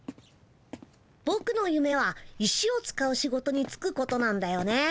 ぼくのゆめは石を使う仕事につくことなんだよね。